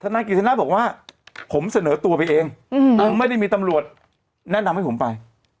นายกิจสนาบอกว่าผมเสนอตัวไปเองไม่ได้มีตำรวจแนะนำให้ผมไป